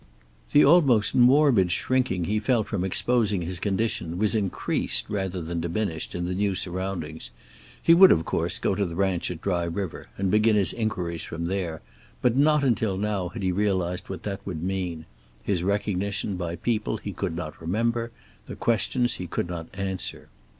The almost morbid shrinking he felt from exposing his condition was increased, rather than diminished, in the new surroundings. He would, of course, go to the ranch at Dry River, and begin his inquiries from there, but not until now had he realized what that would mean; his recognition by people he could not remember, the questions he could not answer.